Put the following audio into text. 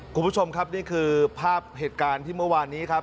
คุณผู้ชมครับนี่คือภาพเหตุการณ์ที่เมื่อวานนี้ครับ